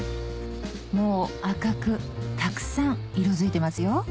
もう赤くたくさん色づいてますよ